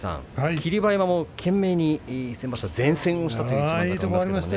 霧馬山も懸命に先場所善戦したという一番でした。